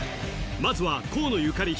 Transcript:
まずは河野ゆかり